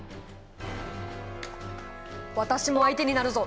私も相手になるぞ。